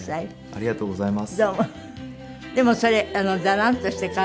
ありがとうございます。